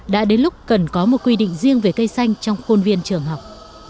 đã đến lúc cần có một quy định riêng về cây xanh trong khuôn viên trường học